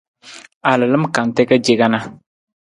A lalam kante ka ce kana.